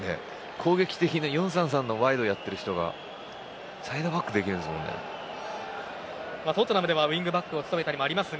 攻撃的な４−３−３のワイドをやっている人がサイドバックができるんですもんね。